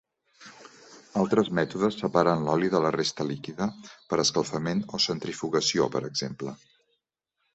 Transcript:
Altres mètodes separen l'oli de la resta líquida per escalfament o centrifugació per exemple.